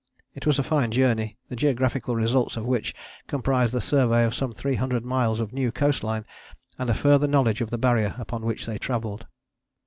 It was a fine journey, the geographical results of which comprised the survey of some three hundred miles of new coast line, and a further knowledge of the Barrier upon which they travelled.